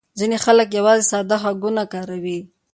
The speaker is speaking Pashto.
ځینې خلک یوازې ساده هکونه کاروي